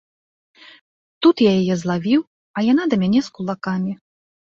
Тут я яе злавіў, а яна да мяне з кулакамі.